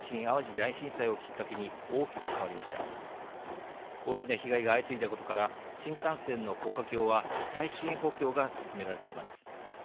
大きな被害が相次いだことから新幹線の高架橋は耐震補強が進められています。